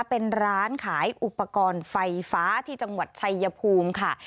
เป็นร้านขายอุปกรณ์ไฟฟ้าที่จังหวัดชัยภูมิค่ะ